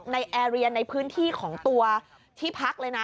แอร์เรียนในพื้นที่ของตัวที่พักเลยนะ